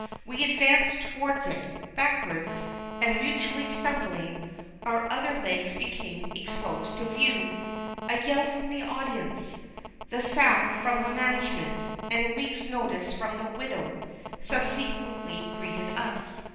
We advanced towards it, backwards, and mutually stumbling, our other legs became exposed to view. A yell from the audience, the sack from the management, and a week's notice from the widow, subsequently greeted us.